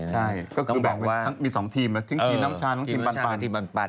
ใช่ก็คือแบบว่ามี๒ทีมทิ้งจีนน้ำชานทางทีมปันปัน